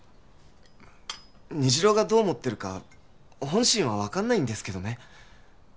虹朗がどう思ってるか本心は分かんないんですけどね